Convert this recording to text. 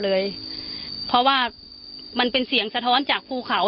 ที่มีข่าวเรื่องน้องหายตัว